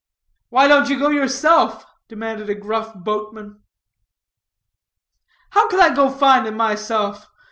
"Why don't you go find 'em yourself?" demanded a gruff boatman. "How can I go find 'em myself?